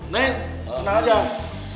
mentra kita mau